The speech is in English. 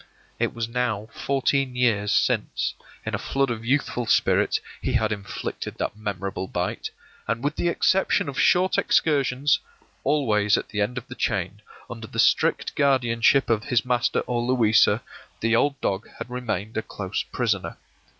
It was now fourteen years since, in a flood of youthful spirits, he had inflicted that memorable bite, and with the exception of short excursions, always at the end of the chain, under the strict guardianship of his master or Louisa, the old dog had remained a close prisoner.